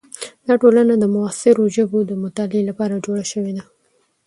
دا ټولنه د معاصرو ژبو د مطالعې لپاره جوړه شوې ده.